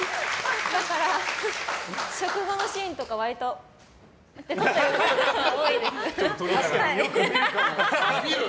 だから、食後のシーンとか割と口で取ってることが多いです。